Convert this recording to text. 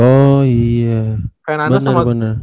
oh iya bener bener